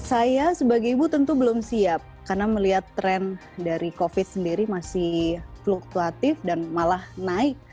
saya sebagai ibu tentu belum siap karena melihat tren dari covid sendiri masih fluktuatif dan malah naik